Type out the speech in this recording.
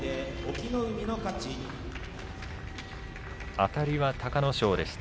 あたりは隆の勝でした。